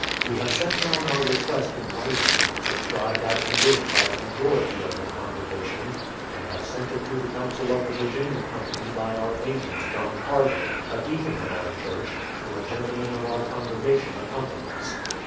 We have set down our re quest in writing, subscribed as you wished by the majority of the congregation and have sent it to the Council of the Virginia Com pany by our agent, John Carver, a deacon of our Church, whom a gentleman of our congregation accompanies.